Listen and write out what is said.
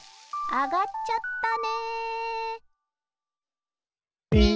あがっちゃったね。